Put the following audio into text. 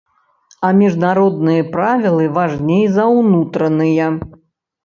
А міжнародныя правілы важней за ўнутраныя.